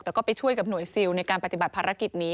แต่ก็ไปช่วยกับหน่วยซิลในการปฏิบัติภารกิจนี้